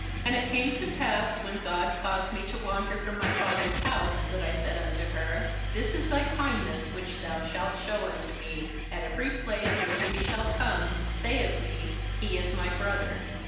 ^And it came to pass, when God caused me to wan der from my father's house, that I said unto her: This is thy kindness which thou shalt show unto me; at every place whither we shall come, say of me: He is my brother.'